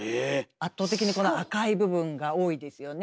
圧倒的にこの赤い部分が多いですよね。